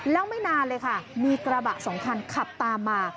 แล้วไม่นานเลยค่ะมีกระบะสองคันขับตามมา